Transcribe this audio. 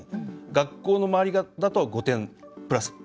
学校の周りだと５点プラス。